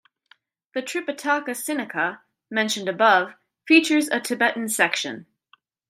The "Tripitaka Sinica" mentioned above features a Tibetan section.